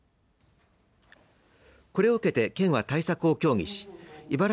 これを受けて、県は対策を協議しいばら